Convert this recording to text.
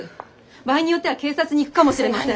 場合によっては警察に行くかもしれません。